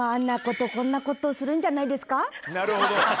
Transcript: なるほど。